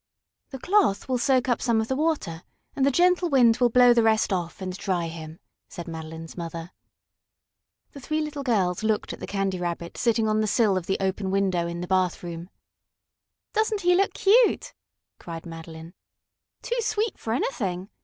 "The cloth will soak up some of the water, and the gentle wind will blow the rest off and dry him," said Madeline's mother. The three little girls looked at the Candy Rabbit sitting on the sill of the open window in the bathroom. "Doesn't he look cute?" cried Madeline. "Too sweet for anything!"